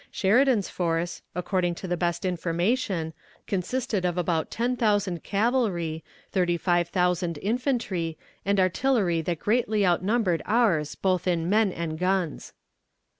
Sheridan's force, according to the best information, consisted of ten thousand cavalry, thirty five thousand infantry, and artillery that greatly outnumbered ours both in men and guns.